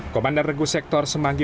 komander regu sektor semanggi